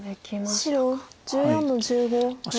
白１４の十五ノビ。